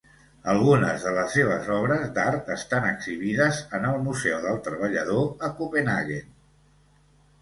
Algunes de les seves obres d'art estan exhibides en el Museu del Treballador a Copenhaguen.